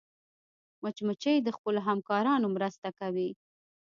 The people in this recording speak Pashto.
مچمچۍ د خپلو همکارانو مرسته کوي